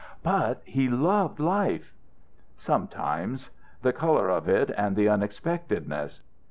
"But he loved life." "Sometimes. The colour of it and the unexpectedness.